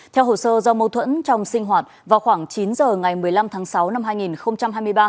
theo hồ sơ do mâu thuẫn trong sinh hoạt vào khoảng chín giờ ngày một mươi năm tháng sáu năm hai nghìn hai mươi ba